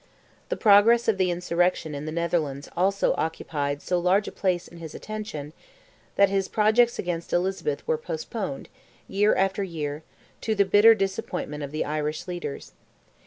The progress of the insurrection in the Netherlands also occupied so large a place in his attention, that his projects against Elizabeth were postponed, year after year, to the bitter disappointment of the Irish leaders.